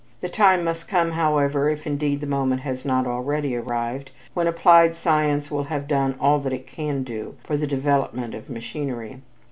The time must come, however, if indeed the moment has not already arrived, when applied science will have done all that it can do for the development of machinery.